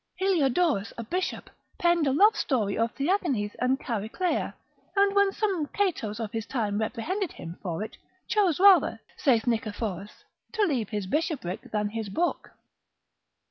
Heliodorus, a bishop, penned a love story of Theagines and Chariclea, and when some Catos of his time reprehended him for it, chose rather, saith Nicephorus, to leave his bishopric than his book.